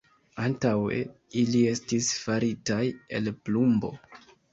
Antaŭe ili estis faritaj el plumbo.